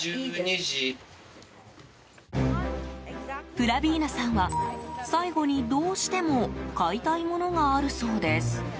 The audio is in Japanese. プラビーナさんは最後にどうしても買いたいものがあるそうです。